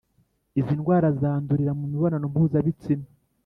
izindi ndwara zandurira mu mibonano mpuzabitsina